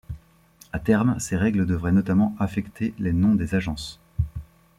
À terme, ces règles devraient notamment affecter les noms des agences.